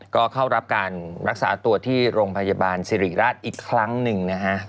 ก็เข้ารับการรักษาตัวที่โรงพยาบาลสิริราชอีกครั้งหนึ่งนะฮะ